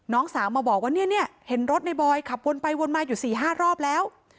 น้องสาวมาบอกว่าเนี่ยเห็นรถในบอยขับวนไปวนมาอยู่๔๕รอบแล้ว